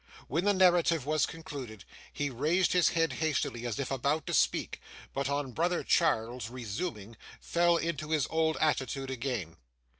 When the narrative was concluded; he raised his head hastily, as if about to speak, but on brother Charles resuming, fell into his old attitude again.